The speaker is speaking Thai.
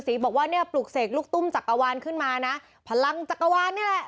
จะปลูกเสกลูกตุ้มจักรวาลขึ้นมานะพลังจักรวาลนี่แหละ